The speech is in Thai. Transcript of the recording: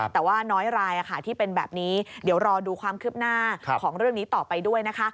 แต่ว่าน้อยรายที่เป็นแบบนี้เดี๋ยวรอดูความคืบหน้าของเรื่องนี้ต่อไปด้วยนะคะ